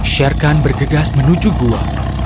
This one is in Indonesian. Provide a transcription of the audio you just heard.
sherkan bergegas menuju gua